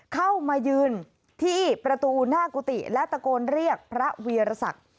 เข้ามายืนที่ประตูหน้ากุฏิและตะโกนเรียกพระวีรศักดิ์